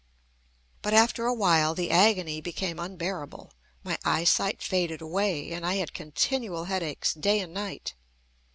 But after a while the agony became unbearable. My eyesight faded away, and I had continual headaches day and night.